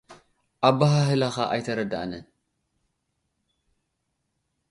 ኣበሃህላኻ ኣይተረድኣንን።